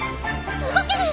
動ける！